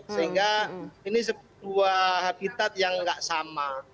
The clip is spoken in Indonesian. sehingga ini sebuah habitat yang nggak sama